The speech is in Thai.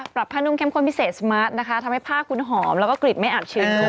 ปรับผ้านุ่มแค้มคนพิเศษสมัสนะคะทำให้ผ้าคุณหอมแล้วก็กลิ่นไม่อาจชื้น